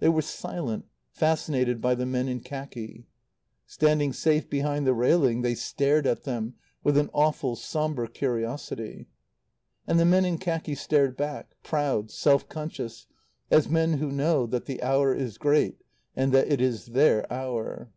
They were silent, fascinated by the men in khaki. Standing safe behind the railing, they stared at them with an awful, sombre curiosity. And the men in khaki stared back, proud, self conscious, as men who know that the hour is great and that it is their hour.